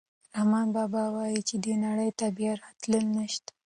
رحمان بابا وايي چې دې نړۍ ته بیا راتلل نشته.